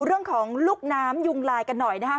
เรื่องของลูกน้ำยุงลายกันหน่อยนะครับ